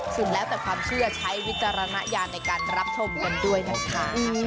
ซึ่งแล้วแต่ความเชื่อใช้วิจารณญาณในการรับชมกันด้วยนะคะ